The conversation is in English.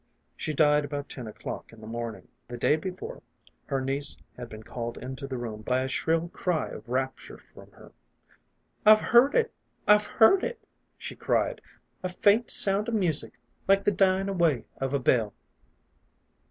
She died about ten o'clock in the morning. The day before, her niece had been called into the room by a shrill cry of rapture from her :" I've heard it ! I've heard it !" she cried. " A faint sound o' music, like the dyin' away of a bell."